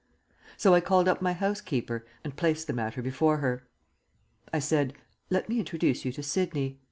So I called up my housekeeper, and placed the matter before her. I said: "Let me introduce you to Sidney.